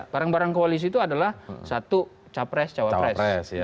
barang barang koalisi itu adalah satu capres cawapres